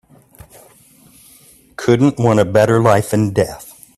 Couldn't want a better life and death.